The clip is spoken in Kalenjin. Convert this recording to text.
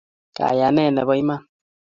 kayanet nebo iman